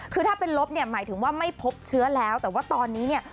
คือถ้าเป็นลบเนี่ยหมายถึงว่าไม่พบเชื้อแล้วแต่ว่าตอนนี้เนี่ย